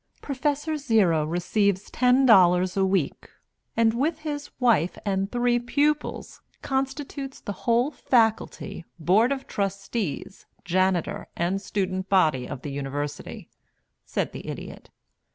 Prof. Zero receives ten dollars a week, and with his wife and three pupils constitutes the whole faculty, board of trustees, janitor, and student body of the University," said the Idiot.